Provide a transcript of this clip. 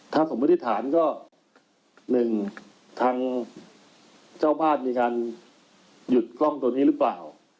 ถ้าสมมุติฐานก็หนึ่งทางเจ้าบ้านมีการหยุดกล้องตัวนี้หรือเปล่า